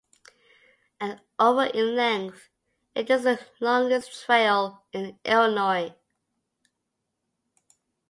At over in length, it is the longest trail in Illinois.